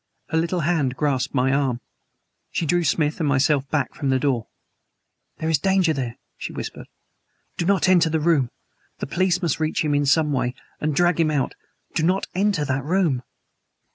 Her little hand grasped my arm. She drew Smith and myself back from the door. "There is danger there!" she whispered. "Do not enter that room! The police must reach him in some way and drag him out! Do not enter that room!"